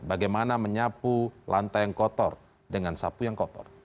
bagaimana menyapu lantai yang kotor dengan sapu yang kotor